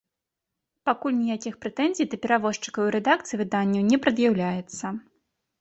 Пакуль ніякіх прэтэнзій да перавозчыкаў і рэдакцый выданняў не прад'яўляецца.